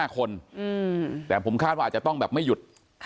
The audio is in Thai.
๕คนแต่ผมคาดว่าอาจจะต้องแบบไม่หยุด